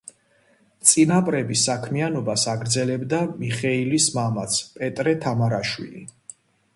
წინაპრების საქმიანობას აგრძელებდა მიხეილის მამაც, პეტრე თამარაშვილი.